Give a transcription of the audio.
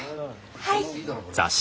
はい！